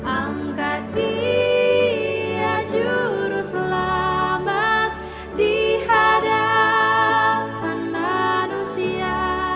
angkat dia juru selamat di hadapan manusia